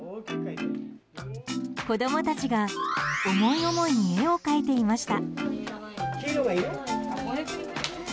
子供たちが思い思いに絵を描いていました。